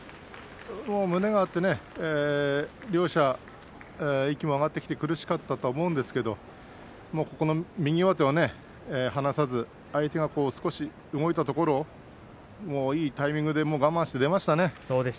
胸が合って息が上がって苦しかったと思うんですけども右上手を離さずに相手が動いたところいいタイミングで我慢して出ましたね。